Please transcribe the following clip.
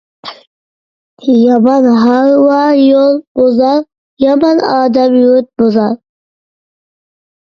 يامان ھارۋا يول بۇزار، يامان ئادەم يۇرت بۇزار.